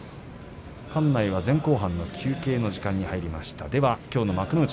館内は前後半の休憩の時間に入りました。